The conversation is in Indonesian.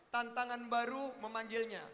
tantangan baru memanggilnya